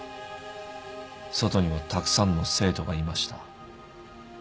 外にはたくさんの生徒がいました。